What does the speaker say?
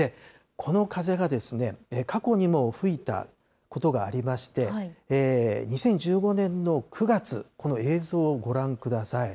この風が過去にも吹いたことがありまして、２０１５年の９月、この映像をご覧ください。